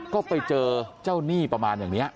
ก็ไปเจอเจ้าหนี้ประมาณอย่างนี้